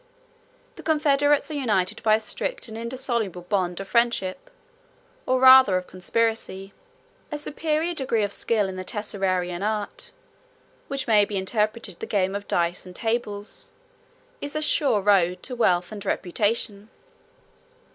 The confederates are united by a strict and indissoluble bond of friendship, or rather of conspiracy; a superior degree of skill in the Tesserarian art (which may be interpreted the game of dice and tables) 46 is a sure road to wealth and reputation.